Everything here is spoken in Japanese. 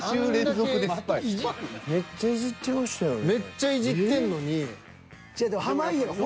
めっちゃイジってましたよね。